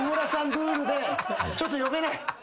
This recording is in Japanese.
ルールでちょっと呼べない。